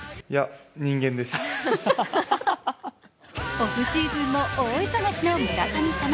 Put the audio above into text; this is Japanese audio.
オフシーズンも大忙しの村神様。